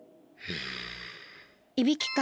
いびきか。